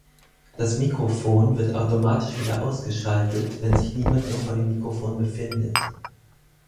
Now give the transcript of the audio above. Das Mikrofon wird automatisch wieder ausgeschaltet, wenn sich niemand mehr vor dem Mikrofon befindet.